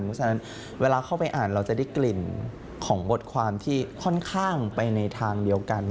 เพราะฉะนั้นเวลาเข้าไปอ่านเราจะได้กลิ่นของบทความที่ค่อนข้างไปในทางเดียวกัน